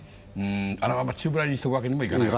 あのまま宙ぶらりんにしておくわけにもいかない。